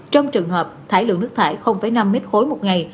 trong trường hợp thải lượng nước thải năm m ba một ngày